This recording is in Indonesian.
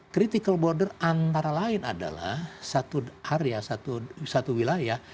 critical border antara lain adalah satu area satu wilayah